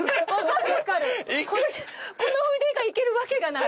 この腕がいけるわけがない！